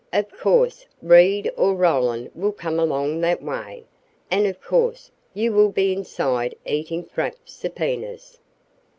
Of course, Reed or Roland will come along that way, and of course you will be inside eating frapped subpoenas."